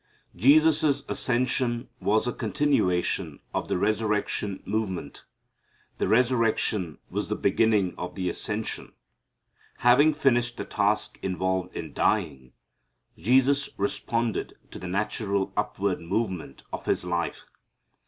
Jesus' ascension was a continuation of the resurrection movement. The resurrection was the beginning of the ascension. Having finished the task involved in dying, Jesus responded to the natural upward movement of His life.